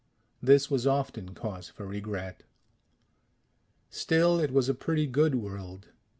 This was often cause for regret. Still it was a pretty good world.